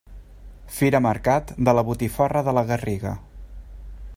Fira Mercat de la Botifarra de la Garriga.